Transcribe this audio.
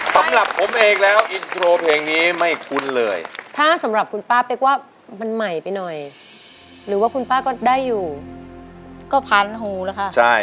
สำหรับผมเองแล้วอินโทรเพลงนี้ไม่คุ้นเลยถ้าสำหรับคุณป้าเป๊กว่ามันใหม่ไปหน่อยหรือว่าคุณป้าก็ได้อยู่ก็พันหูแล้วค่ะ